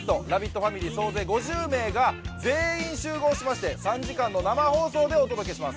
ファミリー総勢５０名が全員集合しまして３時間の生放送でお届けします。